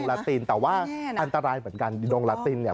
อันตรายเหมือนกันดวงละตินเนี่ย